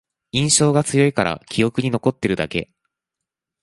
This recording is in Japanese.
印象が強いから記憶に残ってるだけ